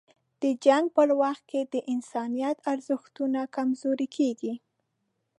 د جنګ په وخت کې د انسانیت ارزښتونه کمزوري کېږي.